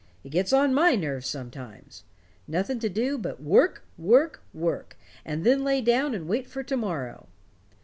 It gets on my nerves sometimes. Nothing to do but work, work, work, and then lay down and wait for to morrow.